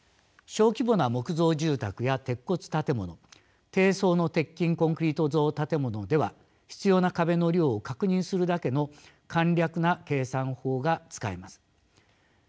小規模な木造住宅や鉄骨建物低層の鉄筋コンクリート造建物では必要な壁の量を確認するだけの簡略な計算法が使えます。